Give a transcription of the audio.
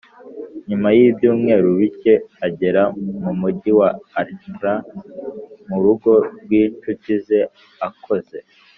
nyuma y ibyumweru bike agera mu mugi wa Alta mu rugo rw incuti ze akoze